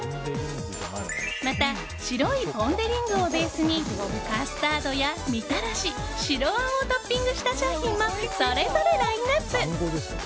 また白いポン・デ・リングをベースにカスタードや、みたらし白あんをトッピングした商品もそれぞれラインアップ。